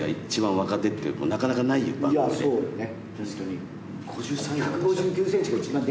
いやそうよね。